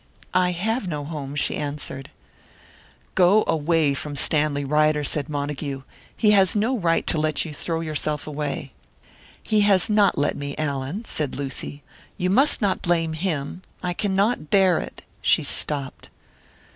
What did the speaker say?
"I have no home," she answered. "Go away from Stanley Ryder," said Montague. "He has no right to let you throw yourself away." "He has not let me, Allan," said Lucy. "You must not blame him I cannot bear it." She stopped.